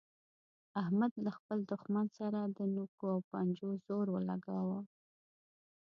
احمد له خپل دوښمن سره د نوکو او پنجو زور ولګاوو.